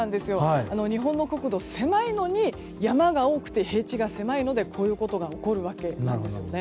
日本の国土は狭いのに山が多くて平地が狭いので、こういうことが起こるわけなんです。